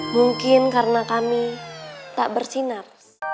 mungkin karena kami tak bersinar